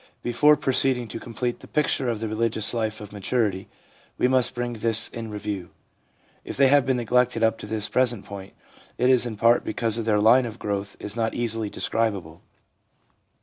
Before proceeding to complete the picture of the religious life of maturity, we must bring these in review. If they have been neglected up to the present point, it is in part because their line of growth is not easily describable.